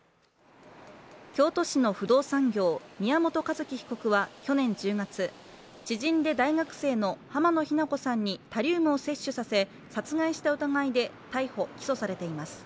京都市の不動産業宮本一希被告は去年１０月知人で大学生の濱野日菜子さんにタリウムを摂取させ殺害した疑いで逮捕・起訴されています。